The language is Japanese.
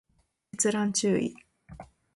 閲覧注意